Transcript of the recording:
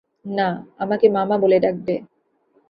না, আমাকে মামা বলে ডাকবে।